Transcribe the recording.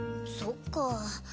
そっか。